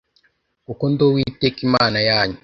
kuko ndi uwiteka imana yanyu